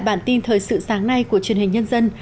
bản tin thời sự sáng nay của truyền hình nhân dân